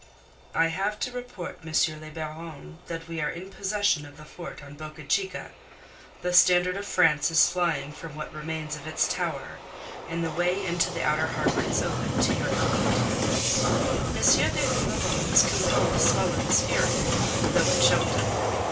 "I have to report, M. le Baron, that we are in possession of the fort on Boca Chica. The standard of France is flying from what remains of its tower, and the way into the outer harbour is open to your fleet." M. de Rivarol was compelled to swallow his fury, though it choked him.